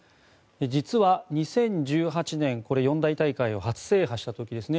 実は２０１８年これは四大大会を初制覇した時ですね